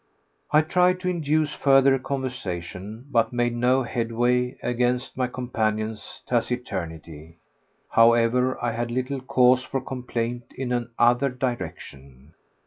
I tried to induce further conversation, but made no headway against my companion's taciturnity. However, I had little cause for complaint in another direction.